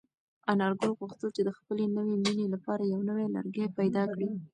انارګل غوښتل چې د خپلې نوې مېنې لپاره یو نوی لرګی پیدا کړي.